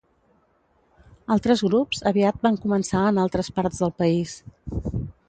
Altres grups aviat van començar en altres parts del país.